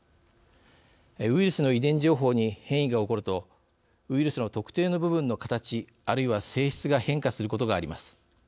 ウイルスの遺伝情報に変異が起こるとウイルスの特定の部分の形あるいは性質が変化することがあります。